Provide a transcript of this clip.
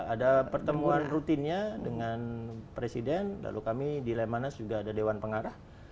ada pertemuan rutinnya dengan presiden lalu kami di lemhanas juga ada dewan pengarah